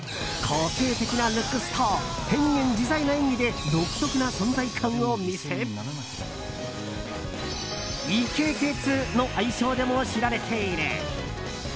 個性的なルックスと変幻自在な演技で独特な存在感を見せイケテツの愛称でも知られている。